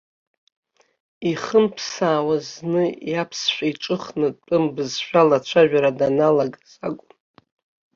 Ихымԥсаауаз зны иаԥсшәа иҿыхны тәым бызшәала ацәажәара даналагаз акәын.